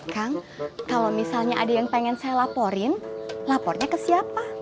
kang kalau misalnya ada yang pengen saya laporin lapornya ke siapa